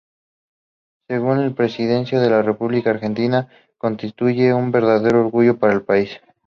Según la presidencia de la República Argentina "constituye un verdadero orgullo para el país".